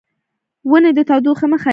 ونې د تودوخې مخه نیسي.